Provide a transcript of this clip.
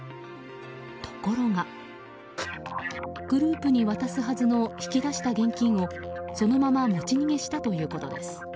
ところが、グループに渡すはずの引き出した現金をそのまま持ち逃げしたということです。